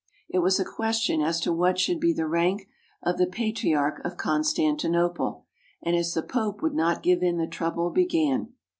It was a question as to what should be the rank of the Patriarch of Con stantinople, and as the Pope would not give in the trou ble began.